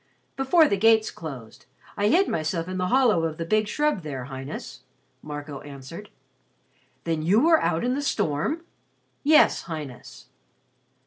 "Before the gates closed. I hid myself in the hollow of the big shrub there, Highness," Marco answered. "Then you were out in the storm?" "Yes, Highness."